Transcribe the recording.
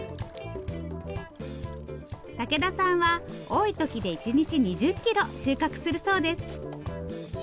武田さんは多い時で１日２０キロ収穫するそうです。